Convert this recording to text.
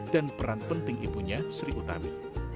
dan peran penting ibunya sri utami